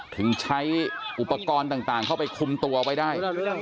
ถึงใช้อุปกรณ์ต่างเข้าไปคุมตัวไว้ได้